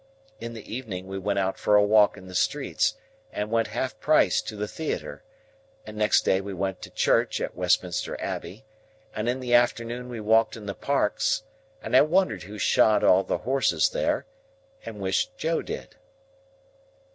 In the evening we went out for a walk in the streets, and went half price to the Theatre; and next day we went to church at Westminster Abbey, and in the afternoon we walked in the Parks; and I wondered who shod all the horses there, and wished Joe did.